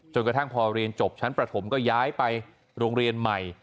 กระทั่งพอเรียนจบชั้นประถมก็ย้ายไปโรงเรียนใหม่